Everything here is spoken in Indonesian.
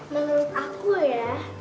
menurut aku ya